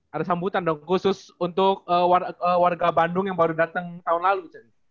ada sambutan dong khusus untuk warga bandung yang baru dateng tahun lalu cen